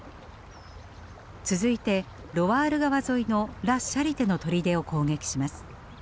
続いてロワール川沿いのラ・シャリテの砦を攻撃します。